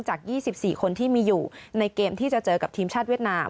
จาก๒๔คนที่มีอยู่ในเกมที่จะเจอกับทีมชาติเวียดนาม